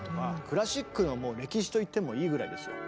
クラシックのもう歴史と言ってもいいぐらいですよ。